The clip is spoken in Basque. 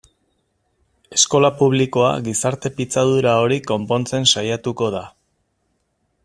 Eskola publikoa gizarte pitzadura hori konpontzen saiatuko da.